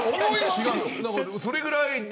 それぐらい。